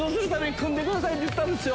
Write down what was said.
くださいって言ったんですよ。